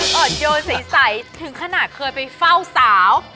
อ่อนโยนใสถึงขนาดเคยไปเฝ้าสาว